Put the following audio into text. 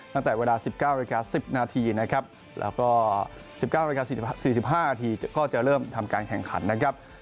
ตั้งแต่เวลา๑๙นาที๑๐นาทีนะครับแล้วก็๑๙นาที๔๕นาทีก็จะเริ่มทำการแข่งขันนะครับ